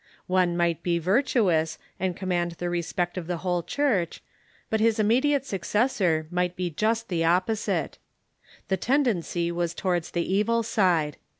One might be virtuous, and command the respect of the whole Church ; but his immediate successor might be just the opposite. The ten dency was towards the evil side.